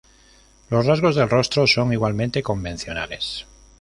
Los rasgos del rostro son igualmente convencionales.